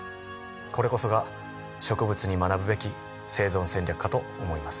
これこそが植物に学ぶべき生存戦略かと思います。